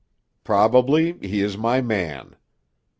"Probably he is my man.